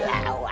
jahil lah awan